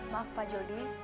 maaf pak jody